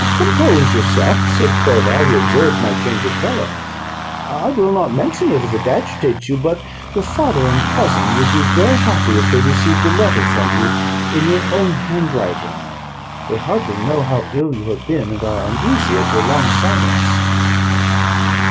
"Compose yourself," said Clerval, who observed my change of colour, "I will not mention it, if it agitates you; but your father and cousin would be very happy if they received a letter from you in your own handwriting. They hardly know how ill you have been, and are uneasy at your long silence."